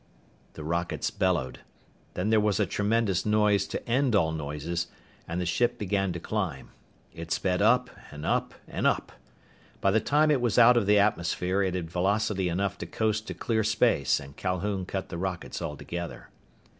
The rockets bellowed. Then there was a tremendous noise to end all noises, and the ship began to climb. It sped up and up and up. By the time it was out of atmosphere it had velocity enough to coast to clear space and Calhoun cut the rockets altogether.